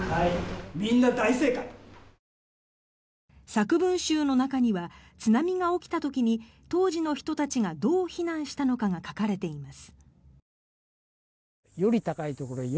作文集の中には津波が起きた時に当時の人たちがどう避難したのかが書かれています。